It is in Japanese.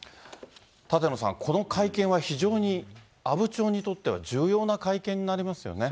舘野さん、この会見は非常に阿武町にとっては重要な会見になりますよね。